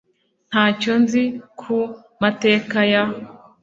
Ntacyo nzi ku mateka ya